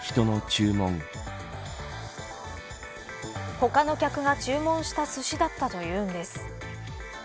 他の客が注文したすしだったというんです。